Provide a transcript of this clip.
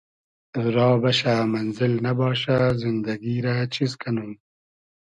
را بئشۂ مئنزیل نئباشۂ زیندئگی رۂ چیز کئنوم